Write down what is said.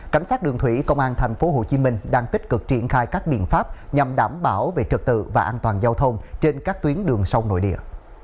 cảnh sát đường thủy công an tp hcm đang tích cực triển khai các biện pháp nhằm đảm bảo về trật tự và an toàn giao thông trên các tuyến đường sông nội địa